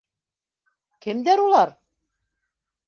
Кемдәр улар?